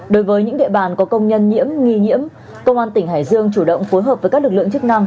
đối với những địa bàn có công nhân nhiễm nghi nhiễm công an tỉnh hải dương chủ động phối hợp với các lực lượng chức năng